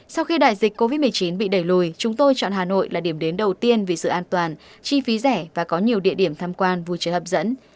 sau khi đại dịch covid một mươi chín bị đẩy lùi chúng tôi chọn hà nội là điểm đến đầu tiên vì sự an toàn chi phí rẻ và có nhiều địa điểm tham quan vui chơi hấp dẫn